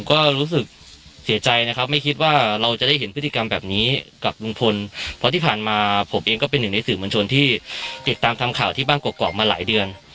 ก็รู้สึกเสียใจนะครับไม่คิดว่าเราจะได้เห็นพฤติกรรมแบบนี้กับลุงพลเพราะที่ผ่านมาผมเองก็เป็นหนึ่งในสื่อมวลชนที่ติดตามทำข่าวที่บ้านกรอกมาหลายเดือน